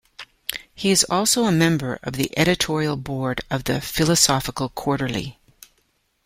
He is also a member of the editorial board of "The Philosophical Quarterly".